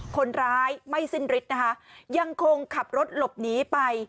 คนร้ายไม่สิ้นฤทธิ์นะคะยังคงขับรถหลบหนีไป